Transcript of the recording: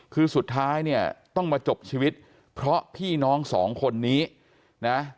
คือสุดท้ายเนี่ยต้องมาจบชีวิตเพราะพี่น้องสองคนนี้นะ